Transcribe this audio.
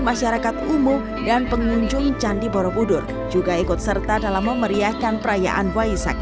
masyarakat umum dan pengunjung candi borobudur juga ikut serta dalam memeriahkan perayaan waisak